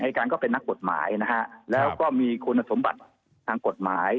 การก็เป็นนักกฎหมายนะฮะแล้วก็มีคุณสมบัติทางกฎหมาย